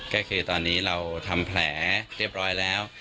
ก็คือตอนนี้เราทำแผลเรียบร้อยแล้ว